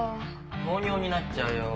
糖尿になっちゃうよ。